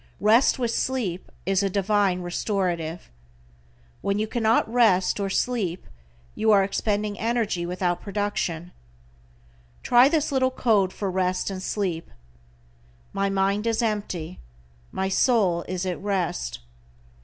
Rest with sleep is a divine restorative. When you cannot rest, or sleep, you are expending energy without production. Try this little code for rest and sleep: "My mind is empty, my soul is at rest."